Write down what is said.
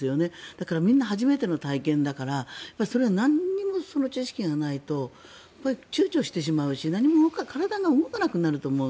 だからみんな初めての体験だから何もその知識がないと躊躇してしまうし体が動かなくなると思う。